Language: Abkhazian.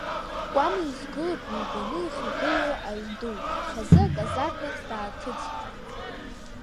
Кәама изгылоуп ҩбаны еихагылоу аҩн ду, хазы аказарма ҭбааҭыцәӡа.